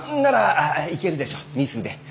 ならいけるでしょうミスで。